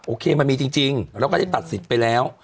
โอเคมันมีจริงแล้วก็ได้ตัดสิทธิ์ไปแล้ว